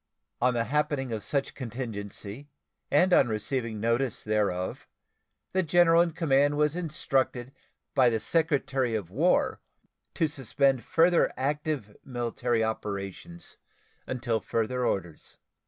On the happening of such contingency, and on receiving notice thereof, the general in command was instructed by the Secretary of War to suspend further active military operations until further orders.